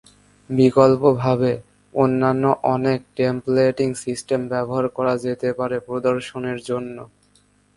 বিকল্পভাবে, অন্যান্য অনেক টেম্পলেটিং সিস্টেম ব্যবহার করা যেতে পারে প্রদর্শনের জন্য।